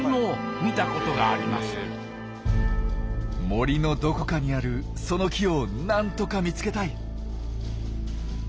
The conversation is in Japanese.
森のどこかにあるその木を何とか見つけたい。